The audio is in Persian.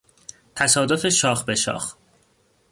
تصادف شاخ به شاخ